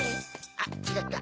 あっちがった！